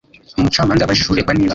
Umucamanza yabajije uregwa niba